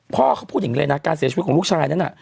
พ่อเขาพูดอย่างนี้เลยนะการเสียชีวิตของลูกชายนั้นน่ะ